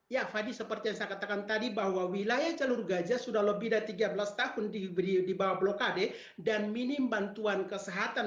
ya fadi seperti yang saya katakan tadi bahwa wilayah jalur gajah sudah lebih dari tiga belas tahun dibawa blokade dan minim bantuan kesehatan